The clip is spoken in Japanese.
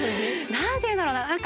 何て言うんだろうな。